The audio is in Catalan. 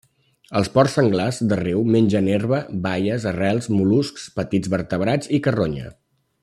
Els porcs senglars de riu mengen herba, baies, arrels, mol·luscs, petits vertebrats i carronya.